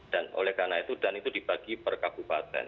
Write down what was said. dan oleh karena itu dan itu dibagi per kabupaten